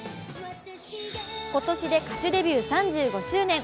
今年で歌手デビュー３５周年。